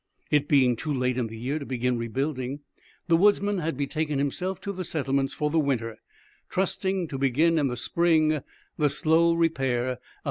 It being too late in the year to begin rebuilding, the woodsman had betaken himself to the Settlements for the winter, trusting to begin, in the spring, the slow repair of his fortunes.